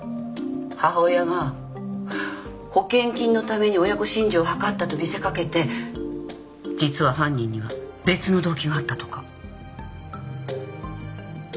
母親が保険金のために親子心中を図ったと見せ掛けて実は犯人には別の動機があったとか。